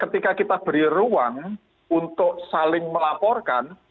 ketika kita beri ruang untuk saling melaporkan